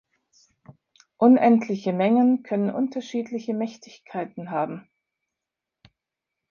Unendliche Mengen können unterschiedliche Mächtigkeiten haben.